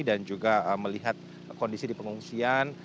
dan juga melihat kondisi di pengungsian